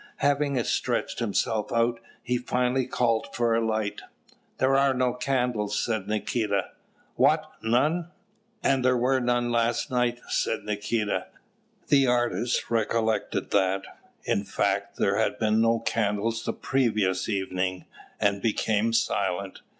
Having stretched himself out, he finally called for a light. "There are no candles," said Nikita. "What, none?" "And there were none last night," said Nikita. The artist recollected that, in fact, there had been no candles the previous evening, and became silent.